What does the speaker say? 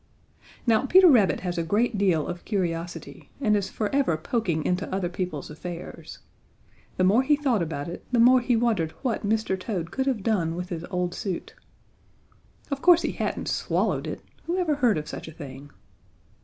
Now Peter Rabbit has a great deal of curiosity and is forever poking into other people's affairs. The more he thought about it the more he wondered what Mr. Toad could have done with his old suit. Of course he hadn't swallowed it! Who ever heard of such a thing!